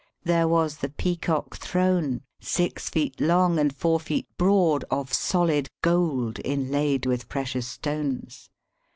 There was the Peacock Throne, six feet long and four feet broad, •of soKd gold inlaid with precious stones.